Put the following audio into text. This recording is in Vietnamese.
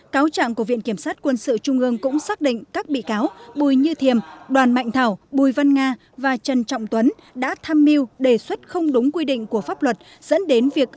cáo trạng của viện kiểm sát quân sự trung ương cũng xác định các bị cáo bùi như thiềm đoàn mạnh thảo bùi văn nga và trần trọng tuấn đã tham mưu đề xuất không đúng quy định của pháp luật